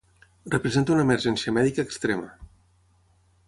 Representa una emergència mèdica extrema.